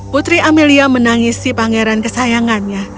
putri amelia menangis si pangeran kesayangannya